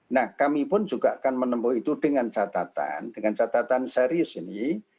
nah kami pun juga akan menempuh itu dengan catatan dengan catatan serius ini